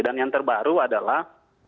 dan yang terbaru adalah